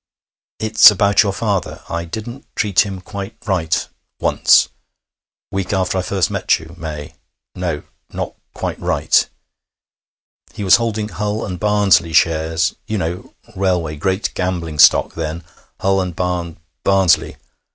'It's about your father. I didn't treat him quite right ... once.... Week after I first met you, May.... No, not quite right. He was holding Hull and Barnsley shares ... you know, railway ... great gambling stock, then, Hull and Barn Barnsley.